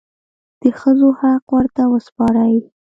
د ښځو حق ورته وسپارئ.